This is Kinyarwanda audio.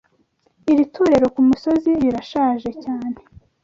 Iri torero kumusozi rirashaje cyane.